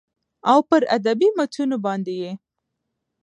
او پر ادبي متونو باندې يې